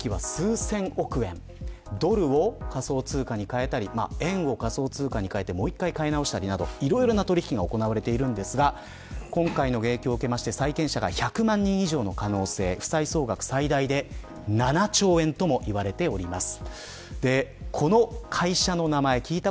ドルを仮想通貨に換えたり円を仮想通貨に換えたりしていろんな取引が行えているんですが今回の影響を受けて債権者が１００万人以上の可能性負債総額が最大７兆円ともいわれています。